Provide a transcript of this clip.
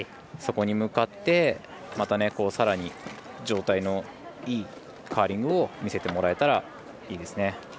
そこに向かってまた、さらに状態のいいカーリングを見せてもらえたらいいですね。